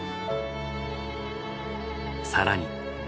更に。